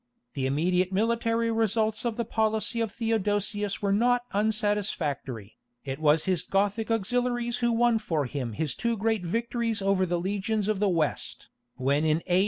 The immediate military results of the policy of Theodosius were not unsatisfactory; it was his Gothic auxiliaries who won for him his two great victories over the legions of the West, when in A.